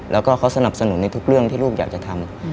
แล้วก็เขาสนับสนุนในทุกเรื่องที่ลูกอยากจะทำ